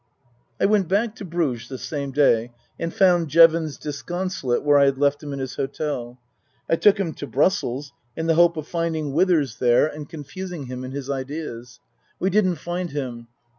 I went back to Bruges the same day and found Jevons disconsolate where I had left him in his hotel. I took him to Brussels in the hope of finding Withers there and 80 Tasker Jevons confusing him in his ideas. We didn't find him.